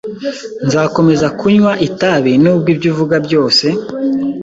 Nzakomeza kunywa itabi nubwo ibyo uvuga byose